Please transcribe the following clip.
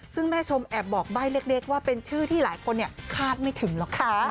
ซึ่งแม่ชมแอบบอกใบ้เล็กว่าเป็นชื่อที่หลายคนคาดไม่ถึงหรอกค่ะ